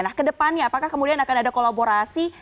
nah ke depannya apakah kemudian akan ada kolaborasi